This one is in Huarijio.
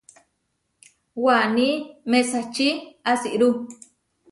Waní mesačí asirú.